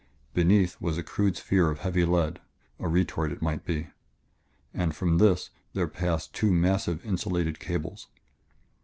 Beneath was a crude sphere of heavy lead a retort, it might be and from this there passed two massive, insulated cables.